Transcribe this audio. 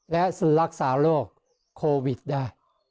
และรักษาโรคโควิดได้